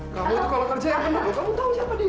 kamu itu kalau kerja yang penuh kamu tahu siapa dia